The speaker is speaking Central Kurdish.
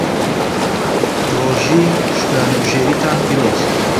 ڕۆژی شوکرانەبژێریتان پیرۆز.